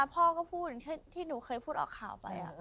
พ่อก็พูดอย่างที่หนูเคยพูดออกข่าวไป